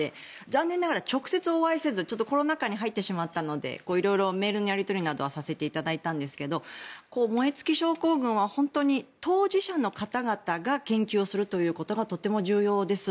残念ながら、直接お会いせずコロナ禍に入ってしまったのでメールのやり取りはさせていただいたんですが燃え尽き症候群は本当に当事者の方々が研究をするということがとても重要です。